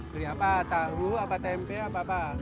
beli apa tahu apa tempe apa apa